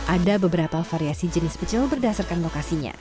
ada beberapa variasi jenis pecel berdasarkan lokasinya